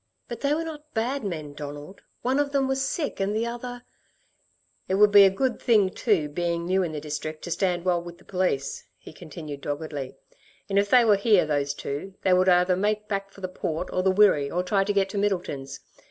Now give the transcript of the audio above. "But they were not bad men, Donald; one of them was sick, and the other " "It would be a good thing too, being new in the district, to stand well with the police," he continued doggedly, "and if they were here, those two, they would either make back for the Port, or the Wirree, or try to get to Middleton's.